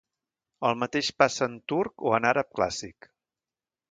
El mateix passa en turc o en àrab clàssic.